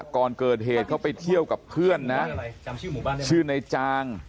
ก่อนเกิดเหตุเขาไปเที่ยวกับเพื่อนนะชื่อในจาง